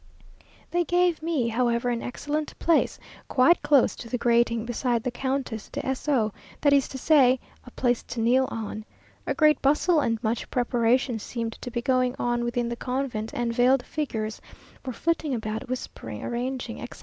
They gave me, however, an excellent place, quite close to the grating, beside the Countess de S o, that is to say, a place to kneel on. A great bustle and much preparation seemed to be going on within the convent, and veiled figures were flitting about, whispering, arranging, etc.